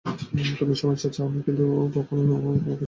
তুমি সমস্যা চাও না, কিন্তু কখনো কখনো সমস্যা তোমাকে চায়।